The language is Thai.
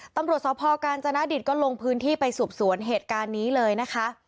ตำรวจสพกาญจนดิตก็ลงพื้นที่ไปสืบสวนเหตุการณ์นี้เลยนะคะ